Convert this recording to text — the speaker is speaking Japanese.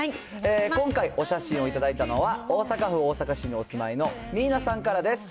今回、お写真を頂いたのは、大阪府大阪市にお住まいのミーナさんからです。